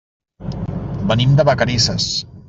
Venim de Vacarisses.